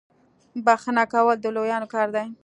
بخښنه کول د لویانو کار دی.